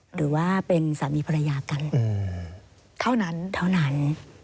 หรือว่าเป็นสามีภรรยากันเท่านั้น